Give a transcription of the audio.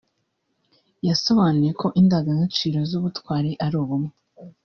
yasobanuye ko indangagaciro z’ubutwari ari ubumwe